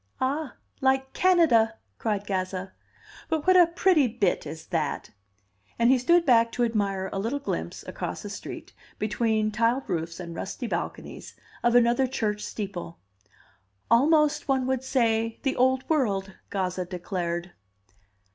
"Ah! like Canada!" cried Gazza. "But what a pretty bit is that!" And he stood back to admire a little glimpse, across a street, between tiled roofs and rusty balconies, of another church steeple. "Almost, one would say, the Old World," Gazza declared.